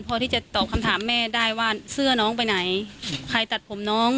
พอที่จะตอบคำถามแม่ได้ว่าเสื้อน้องไปไหนใครตัดผมน้อง